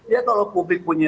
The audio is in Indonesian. ya kalau publik punya